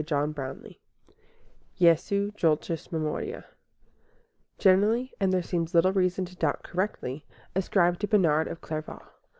Monday Evening JESU, DULCIS MEMORIA Generally, and there seems little reason to doubt correctly, ascribed to Bernard of Clairvaux.